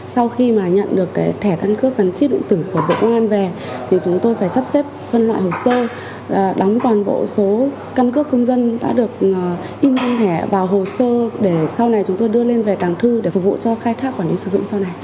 sau khi mà nhận được thẻ căn cước gắn chip điện tử của bộ công an về thì chúng tôi phải sắp xếp phân loại hồ sơ đóng toàn bộ số căn cước công dân đã được in trong thẻ vào hồ sơ để sau này chúng tôi đưa lên về tảng thư để phục vụ cho khai thác quản lý sử dụng sau này